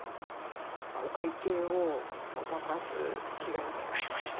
お会計をごまかす被害に遭いました。